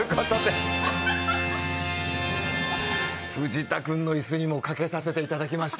藤田君の椅子にもかけさせていただきました。